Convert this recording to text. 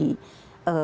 cabut ke beban